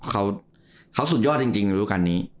เขาสุดยอดจริงฤดูการนี้